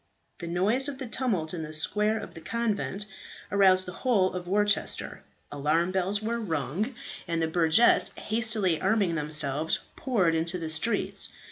The noise of the tumult in the square of the convent aroused the whole town of Worcester. Alarm bells were rung; and the burgesses, hastily arming themselves, poured into the streets.